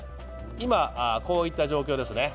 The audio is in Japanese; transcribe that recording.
今こういった状況ですね。